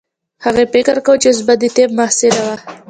هغې فکر کاوه چې اوس به د طب محصله وه